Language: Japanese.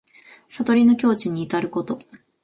悟りの境地にいたること。